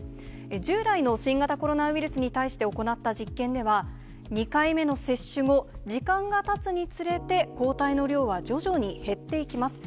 従来の新型コロナウイルスに対して行った実験では、２回目の接種後、時間がたつにつれて、抗体の量は徐々に減っていきます。